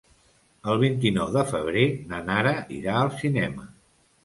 El vint-i-nou de febrer na Nara irà al cinema.